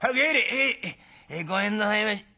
「へい。ごめんなさいまし。